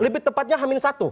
lebih tepatnya hamin satu